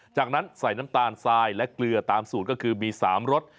จากนั้นใส่น้ำตาลทรายและเกลือตามสูตรก็คือมี๓รส